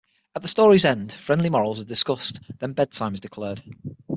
At the story's end, friendly morals are discussed, then bedtime is declared.